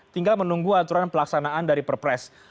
tinggal menunggu aturan pelaksanaan dari perpres